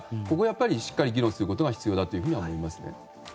ここはやっぱりしっかり議論することが必要だと思います。